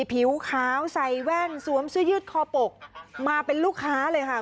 ผิวขาวใส่แว่นสวมเสื้อยืดคอปกมาเป็นลูกค้าเลยค่ะ